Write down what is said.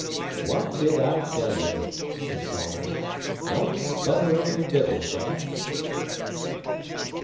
"What did I tell ye?" said Salters. "Don't sputter over your vittles, Dan."